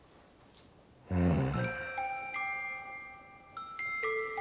うん。